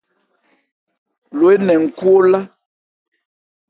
Lo énɛn nkhú olá.